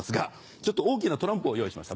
ちょっと大きなトランプを用意しました。